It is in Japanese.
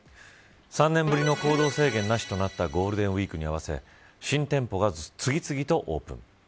３年ぶりの行動制限なしとなったゴールデンウイークに合わせ新店舗が次々とオープン。